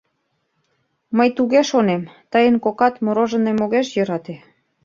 Мый туге шонем, тыйын кокат мороженыйым огеш йӧрате.